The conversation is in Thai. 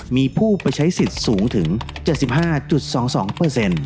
มีผู้ไปใช้สิทธิ์สูงถึงเจ็ดสิบห้าจุดสองสองเปอร์เซ็นต์